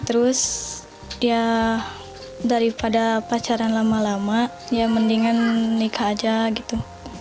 terus ya daripada pacaran lama lama ya mendingan nikah aja gitu